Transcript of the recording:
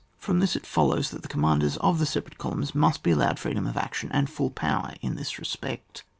From this it follows that the commanders of the separate columns must be allowed freedom of action and full power in this respect.